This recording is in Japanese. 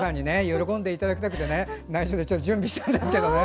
喜んでいただきたくてないしょで準備したんですけどね。